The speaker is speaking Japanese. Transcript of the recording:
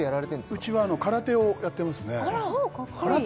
うちは空手をやってますね空手！